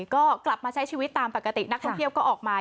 ก็กลับมาใช้ชีวิตตามปกตินักท่องเที่ยวก็ออกมา